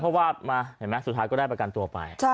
เพราะสุดท้ายก็ได้ประการตัวไป